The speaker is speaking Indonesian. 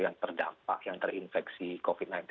yang terdampak yang terinfeksi covid sembilan belas